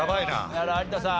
だから有田さん